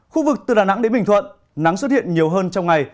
khu vực từ đà nẵng đến bình thuận nắng xuất hiện nhiều hơn trong ngày